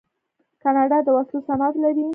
کاناډا د وسلو صنعت لري.